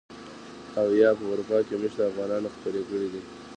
او يا په اروپا کې مېشتو افغانانو خپرې کړي دي.